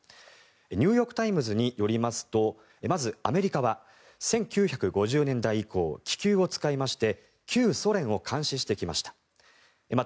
ニューヨーク・タイムズによりますとまず、アメリカは１９５０年代以降気球を使いまして旧ソ連を監視してきました。